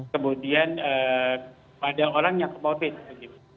kemudian pada orang yang komorbid